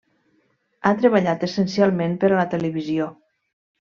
Ha treballat essencialment per a la televisió.